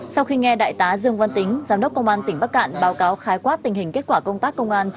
sau khi nghe đại tá dương văn tính giám đốc công an tỉnh bắc cạn báo cáo khái quát tình hình kết quả công tác công an